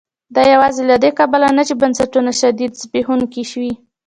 دا یوازې له دې کبله نه چې بنسټونه شدیداً زبېښونکي وو.